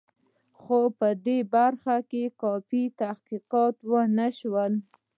خو په دې برخه کې کافي تحقیقات ونه شول.